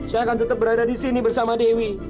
saya akan tetap berada disini bersama dewi